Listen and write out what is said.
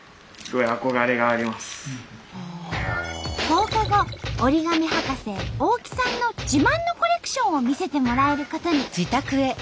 放課後折り紙博士大木さんの自慢のコレクションを見せてもらえることに。